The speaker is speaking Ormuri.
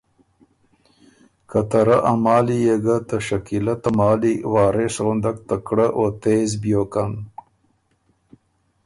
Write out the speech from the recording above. که ته رۀ ا مالی يې ګۀ ته شکیلۀ ته مالی وارث غُندک تکړۀ او تېز بیوکن